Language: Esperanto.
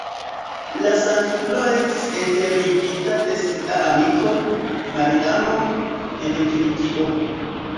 La sanktulo estis enterigita de sia amiko, Mariano, en Kilikio.